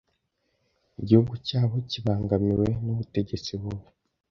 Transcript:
Igihugu cyabo kibangamiwe nubutegetsi bubi.